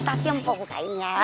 tas yang mau gue bukain ya